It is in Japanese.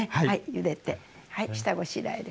ゆでてはい下ごしらえで。